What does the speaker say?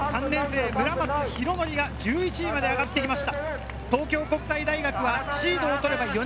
東京国際大学３年生・村松敬哲が１１位まで上がってきました。